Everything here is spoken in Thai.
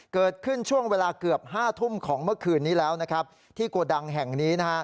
เกิดขึ้นช่วงเวลาเกือบห้าทุ่มของเมื่อคืนนี้แล้วนะครับที่โกดังแห่งนี้นะฮะ